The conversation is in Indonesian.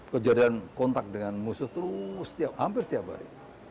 kejadian kontak dengan musuh terus hampir tiap hari